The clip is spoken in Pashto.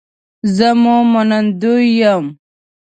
زه مو منندوی یم